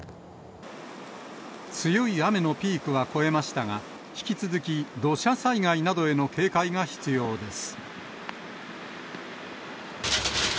強い雨のピークは越えましたが、引き続き土砂災害などへの警戒が必要です。